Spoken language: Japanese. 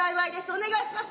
お願いします。